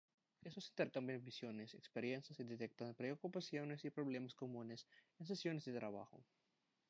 Estos intercambian visiones, experiencias, y detectan preocupaciones y problemas comunes en sesiones de trabajo.